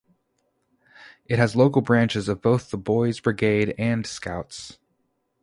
It has local branches of both the Boys' Brigade and Scouts.